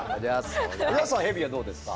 おじゃすさんヘビはどうですか？